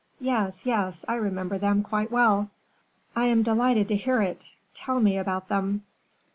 Yes, yes, I remember them quite well." "I am delighted to hear it; tell me about them."